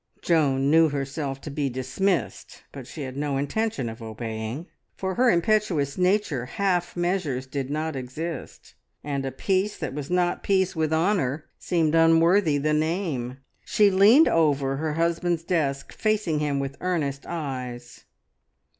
Joan knew herself to be dismissed, but she had no intention of obeying. For her impetuous nature half measures did not exist, and a peace that was not peace with honour seemed unworthy the name. She leaned over her husband's desk, facing him with earnest eyes.